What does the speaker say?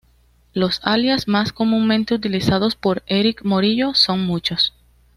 Los alias más comúnmente utilizados por Erick Morillo son muchos.